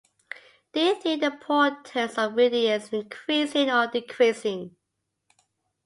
Do you think the importance of reading is increasing or decreasing?